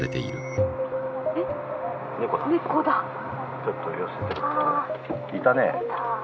ちょっと寄せていたね。